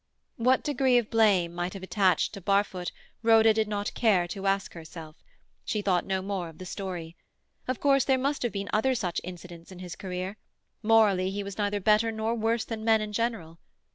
What degree of blame might have attached to Barfoot, Rhoda did not care to ask herself; she thought no more of the story. Of course there must have been other such incidents in his career; morally he was neither better nor worse than men in general.